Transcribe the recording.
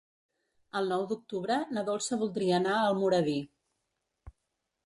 El nou d'octubre na Dolça voldria anar a Almoradí.